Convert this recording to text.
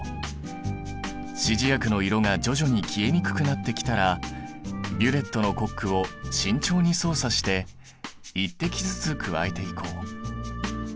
指示薬の色が徐々に消えにくくなってきたらビュレットのコックを慎重に操作して１滴ずつ加えていこう。